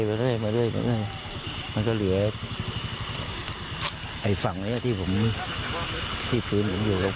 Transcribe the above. มันก็เหลือไอ้ฝั่งนี้ที่ผมที่พื้นผมอยู่